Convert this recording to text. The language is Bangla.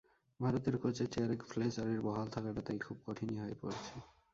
ভারতের কোচের চেয়ারে ফ্লেচারের বহাল থাকাটা তাই খুব কঠিনই হয়ে পড়েছে।